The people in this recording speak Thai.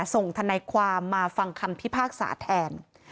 ทนายความมาฟังคำพิพากษาแทน